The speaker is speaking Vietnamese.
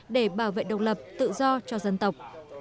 để bảo vệ độc lập tự do cho dân tộc